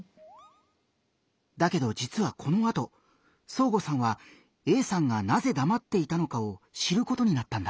だけどじつはこのあとそーごさんはＡさんがなぜだまっていたのかを知ることになったんだ。